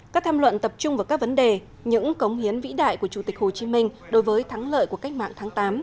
các tham luận tập trung vào các vấn đề những cống hiến vĩ đại của chủ tịch hồ chí minh đối với thắng lợi của cách mạng tháng tám